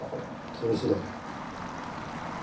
君次第だな。